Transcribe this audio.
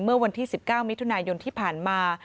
เมื่อวันที่๑๙มิถุนายนที่ผ่านมา